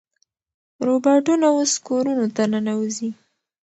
روباټونه اوس کورونو ته ننوځي.